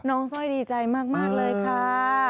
สร้อยดีใจมากเลยค่ะ